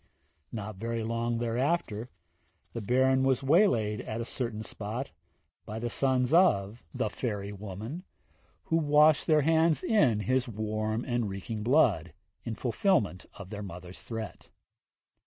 Not very long thereafter, the Baron was waylaid at a certain spot by the sons of the 'fairy' woman, who washed their hands in his warm and reeking blood, in fulfilment of their mother's threat.